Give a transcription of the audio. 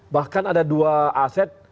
bahkan ada dua aset